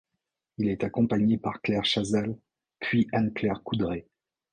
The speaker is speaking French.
Il est accompagné par Claire Chazal puis par Anne-Claire Coudray.